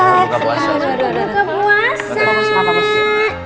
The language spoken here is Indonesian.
selamat berbuka puasa